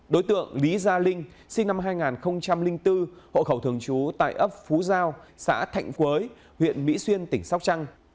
đối tượng lý gia linh sinh năm hai nghìn bốn hộ khẩu thường trú tại ấp phú giao xã thạnh quới huyện mỹ xuyên tỉnh sóc trăng